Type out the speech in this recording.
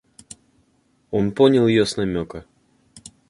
Он понял ее с намека.